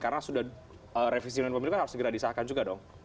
karena sudah revisi pemerintah harus segera disahkan juga dong